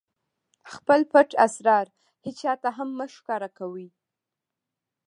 خپل پټ اسرار هېچاته هم مه ښکاره کوئ!